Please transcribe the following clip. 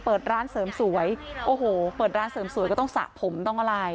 เปิดร้านเสริมสวยโอ้โหเปิดร้านเสริมสวยก็ต้องสระผมต้องอะไร